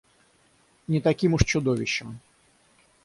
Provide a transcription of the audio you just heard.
Не таким уж чудовищем.